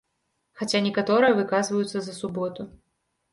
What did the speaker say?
Хаця некаторыя выказваюцца за суботу.